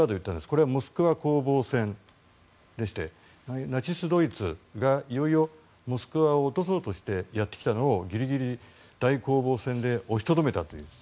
これはモスクワ攻防戦でしてナチスドイツが、いよいよモスクワを落とそうとしてやってきたのをぎりぎり大攻防戦で押しとどめたという。